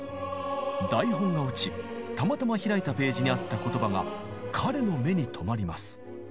台本が落ちたまたま開いたページにあった言葉が彼の目に留まります。